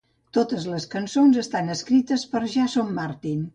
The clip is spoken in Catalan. Totes les cançons estan escrites per Jason Martin.